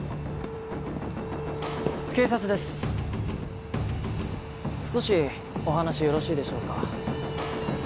警察です少しお話よろしいでしょうか？